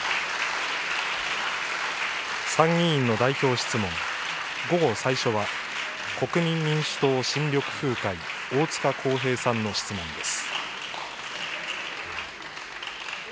参議院の代表質問、午後、最初は国民民主党・新緑風会、大塚耕平さんの質問です。